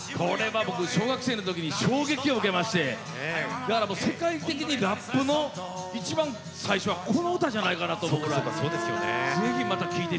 小学生の時に衝撃を受けて世界的にラップの一番最初はこの歌じゃないかなと思って。